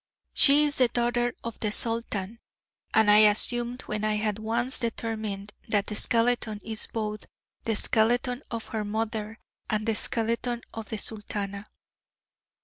She is the daughter of the Sultan, as I assumed when I had once determined that the skeleton is both the skeleton of her mother, and the skeleton of the Sultana.